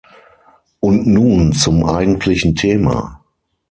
Und nun zum eigentlichen Thema.